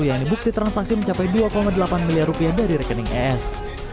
yang di bukti transaksi mencapai dua delapan miliar rupiah dari rekening as